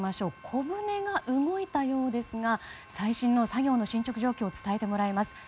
小船が動いたようですが最新の作業の進捗状況を伝えてもらいます。